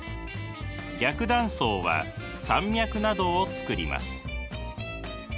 逆断層は山脈などをつくります。